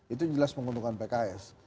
itu jelas menguntungkan pks